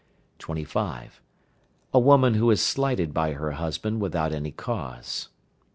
25. A woman who is slighted by her husband without any cause.